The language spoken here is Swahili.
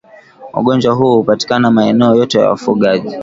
Ugonjwa huu hupatikana maeneo yote ya wafugaji